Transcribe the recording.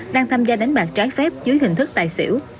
đang tham gia đánh bạc trái phép dưới hình thức tài xỉu